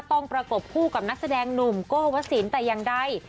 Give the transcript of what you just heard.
ต้องประกบผู้กับนักแสดงหนุ่มโกวะหวะสินแต่ยังใด